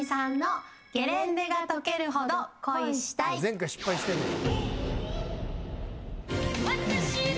前回、失敗してんねん。